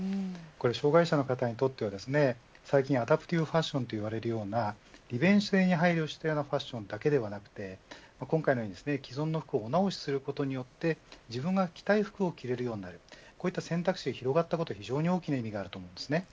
障害者の方にとっては最近アダプティブファッションといわれているものが利便性に配慮してのファションだけではなく今回の既存の服をお直しすることによって自分の着たい服を着るこういった選択肢が広がったことに大きな意味があります。